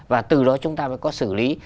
và từ đó chúng ta mới có xử lý